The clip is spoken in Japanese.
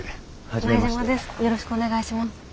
よろしくお願いします。